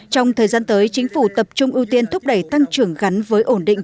trong thời gian tới chính phủ tập trung ưu tiên thúc đẩy tăng trưởng gắn với ổn định